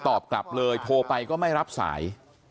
ตอบกลับเลยโทรไปก็ไม่รับสาย